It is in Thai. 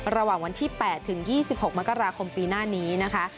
ระหว่างวันที่๘ถึง๒๖มกราคมปีหน้านี้นะคะ